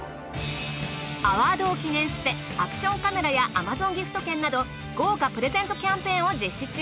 アワードを記念してアクションカメラやＡｍａｚｏｎギフト券など豪華プレゼントキャンペーンを実施中。